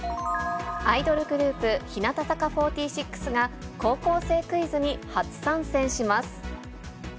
アイドルグループ、日向坂４６が、高校生クイズに初参戦します。